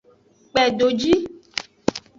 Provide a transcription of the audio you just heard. Kpedoji.